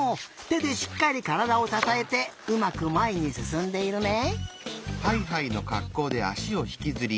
てでしっかりからだをささえてうまくまえにすすんでいるね。